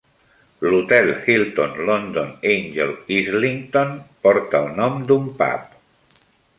L'hotel Hilton London Angel Islington porta el nom d'un pub.